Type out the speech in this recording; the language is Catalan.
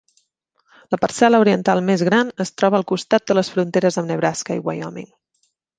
La parcel·la oriental més gran es troba al costat de les fronteres amb Nebraska i Wyoming.